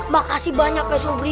makasih banyak ya sobri